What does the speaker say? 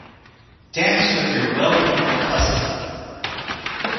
Dance with your well-known cousin.